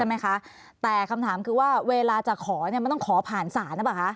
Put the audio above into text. ใช่ไหมคะแต่คำถามคือว่าเวลาจะขอมันต้องขอผ่านศาลน่ะเปล่าคะ